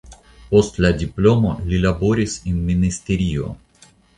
Post la diplomo li laboris en ministerio.